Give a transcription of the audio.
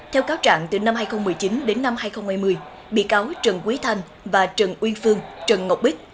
theo cáo trạng từ năm hai nghìn một mươi chín đến năm hai nghìn hai mươi bị cáo trần quý thanh và trần uyên phương trần ngọc bích